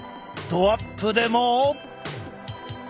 ドアップでも。